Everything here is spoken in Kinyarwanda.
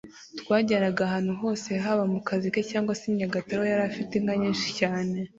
twajyanaga ahantu hose haba mu kazi ke cyangwa se i Nyagatare aho yari afite inka nyinshi cyane